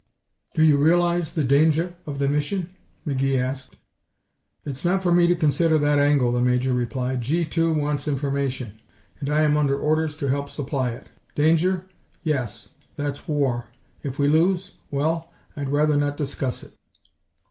"Do you realize the danger of the mission?" McGee asked. "It's not for me to consider that angle," the Major replied. "G 2 wants information, and I am under orders to help supply it. Danger? Yes. That's war. If we lose well, I'd rather not discuss it."